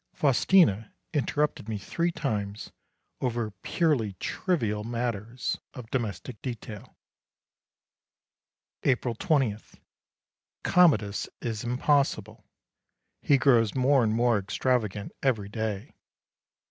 Faustina interrupted me three times over purely trivial matters of domestic detail. April 20. Commodus is impossible. He grows more and more extravagant every day.